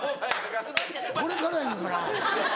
これからやねんから。